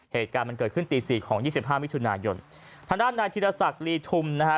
เหตุการณ์มันเกิดขึ้นตีสี่ของยี่สิบห้ามิถุนายนทางด้านนายธิรษักลีทุมนะฮะ